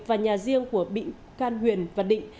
và nhà riêng của bị can huyền và định